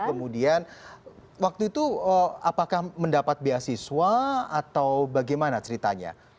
kemudian waktu itu apakah mendapat beasiswa atau bagaimana ceritanya